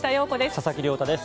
佐々木亮太です。